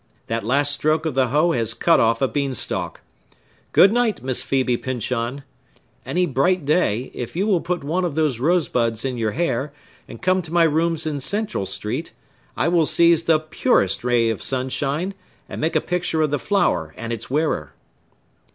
That last stroke of the hoe has cut off a beanstalk. Good night, Miss Phœbe Pyncheon! Any bright day, if you will put one of those rosebuds in your hair, and come to my rooms in Central Street, I will seize the purest ray of sunshine, and make a picture of the flower and its wearer."